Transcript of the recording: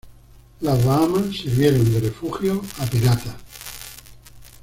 Las Bahamas sirvieron de refugio a piratas.